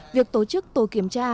việc tổ chức tổ kiểm tra